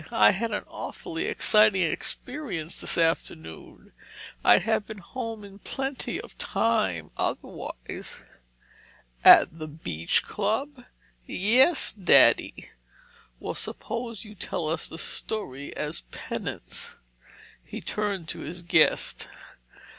I had an awfully exciting experience this afternoon. I'd have been home in plenty of time, otherwise." "At the Beach Club?" "Yes, Daddy." "Well, suppose you tell us the story, as penance." He turned to his guest.